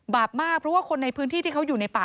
บาปมากเพราะว่าคนในพื้นที่ที่เขาอยู่ในป่า